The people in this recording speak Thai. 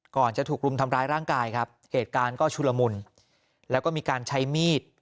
ก่อนจะถูกรุมทำร้ายร่างกายครับเหตุการณ์ก็ชุลมุนแล้วก็มีการใช้มีด